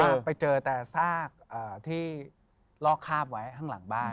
คือไปเจอแต่ซากที่ลอกคาบไว้ข้างหลังบ้าน